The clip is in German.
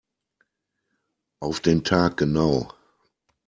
Auf den Tag genau.